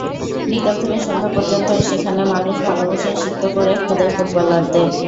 বিকেল থেকে সন্ধ্যা পর্যন্ত সেখানে মানুষ ভালোবাসায় সিক্ত করে খুদে ফুটবলারদের।